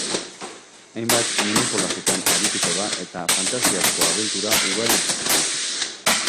Hainbat minijolasetan arituko da eta fantasiazko abentura ugari biziko ditu.